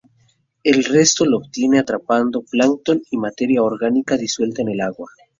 El resto lo obtienen atrapando plancton y materia orgánica disuelta en el agua.